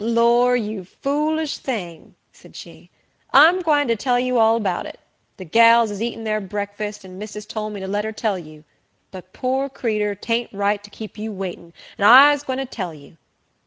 "Lor, you foolish ting!" said she. "I'se gwine to tell you all 'bout it. De gals is eating thar breakfast, and missus tole me to let her tell you; but, poor creeter! t'aint right to keep you waitin', and I'se gwine to tell you.